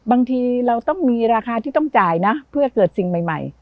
บางทีเราต้องมีราคาที่ต้องจ่ายนะเพื่อเกิดสิ่งใหม่